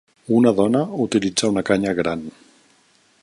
Una dona utilitza una canya gran.